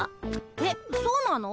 えっそうなの？